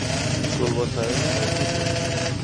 ټول وسایل موجود وه.